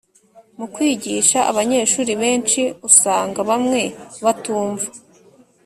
Mu kwigisha abanyeshuri benshi usanga bamwe batumva